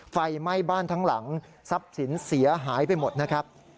ไฟไหม้บ้านทั้งหลังทรัพย์สินเสียหายไปหมดนะครับ